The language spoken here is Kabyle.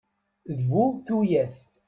D bu tuyat!